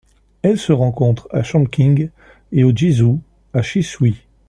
Elle se rencontre à Chongqing et au Guizhou à Chishui.